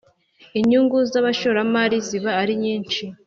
Inyungu z ‘abashoramari ziba arinyishi.